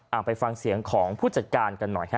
ไปฟังเสียงของผู้จัดการกันหน่อยฮะ